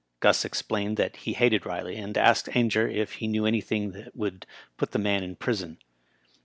Gus explained that he hated Riley, and asked Ainger if he knew anything that would put the man in prison.